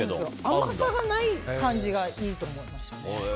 甘さがない感じがいいと思いましたね。